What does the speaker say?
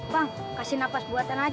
bang kasih nafas buatan aja